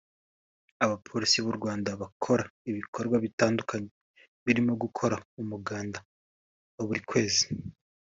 abapolisi b’u Rwanda bakora ibikorwa bitandukanye birimo gukora umuganda wa buri kwezi